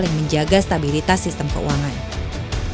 yang menjaga stabilitas sistem ekonomi